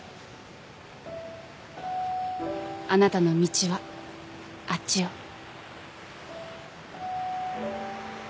あなたの道はあっちよ。